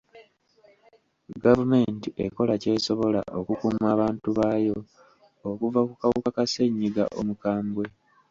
Gavumenti ekola ky'esobola okukuuma abantu baayo okuva ku kawuka ka ssenyiga omukambwe.